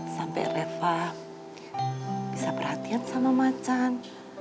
sampai refa bisa perhatian sama macan